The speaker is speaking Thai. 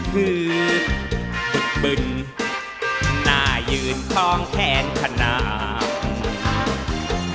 คือฝึกบึนหน้ายืนทองแทนขนาด